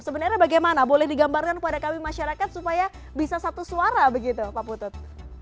sebenarnya bagaimana boleh digambarkan kepada kami masyarakat supaya bisa satu suara begitu pak putut